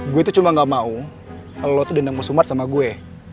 gue tuh cuma gak mau lo tuh dendam musumat sama gue